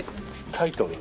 タイトル。